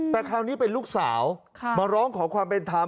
แต่คราวนี้เป็นลูกสาวมาร้องขอความเป็นธรรม